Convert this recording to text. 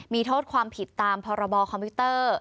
มีโทษความผิดตามพรบคอมพิวเตอร์